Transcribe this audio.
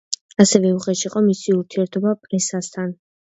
ასევე უხეში იყო მისი ურთიერთობა პრესასთან.